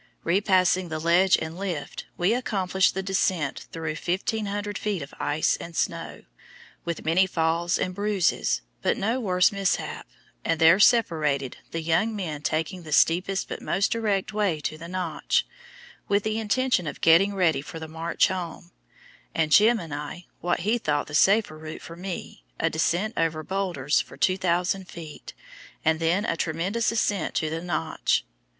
Repassing the Ledge and Lift, we accomplished the descent through 1,500 feet of ice and snow, with many falls and bruises, but no worse mishap, and there separated, the young men taking the steepest but most direct way to the "Notch," with the intention of getting ready for the march home, and "Jim" and I taking what he thought the safer route for me a descent over boulders for 2,000 feet, and then a tremendous ascent to the "Notch."